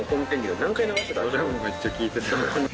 めっちゃ聴いてた。